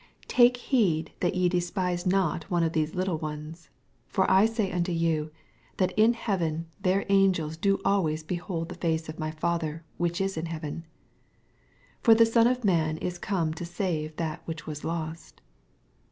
10 Take heed that ye despise not one of these little ones; fori say unto you. That in heaven their angels do always behold the face of my Father whicn is in heaven. 11 For the Son of man is come to save that which was lost.